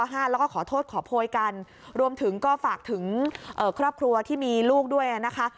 แล้วก็ขอโทษขอโพยกันรวมถึงก็ฝากถึงครอบครัวที่มีลูกด้วยนะคะ